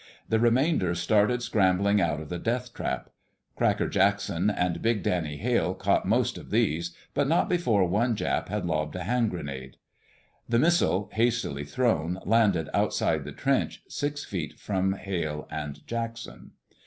The remainder started scrambling out of the death trap. Cracker Jackson and big Danny Hale caught most of these, but not before one Jap had lobbed a hand grenade. The missile, hastily thrown, landed outside the trench, six feet from Hale and Jackson.